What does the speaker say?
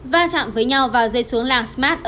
va chạm với nhau vào dây xuống làng smart